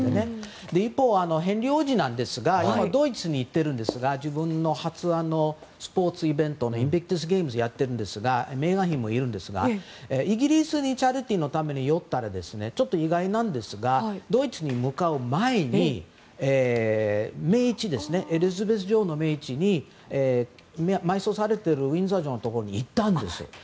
一方、ヘンリー王子ですが今、ドイツに行っているんですが自分の発案のスポーツイベントのインビクタスゲームをやっているんですがメーガン妃もいるんですがイギリスにチャリティーのために寄ったら意外なんですがドイツに向かう前にエリザベス女王の命日に埋葬されているウィンザー城のところに行ったんですよ。